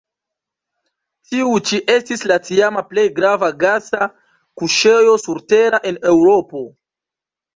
Tiu ĉi estis la tiama plej grava gasa kuŝejo surtera en Eŭropo.